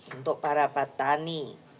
untuk para pak tani